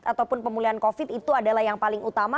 ataupun pemulihan covid itu adalah yang paling utama